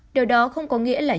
điều đó không có nghĩa là nhượng